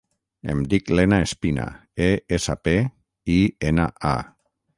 Em dic Lena Espina: e, essa, pe, i, ena, a.